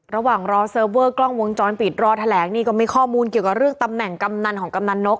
ระหว่างรอเซิร์ฟเวอร์กล้องวงจรปิดรอแถลงนี่ก็มีข้อมูลเกี่ยวกับเรื่องตำแหน่งกำนันของกำนันนก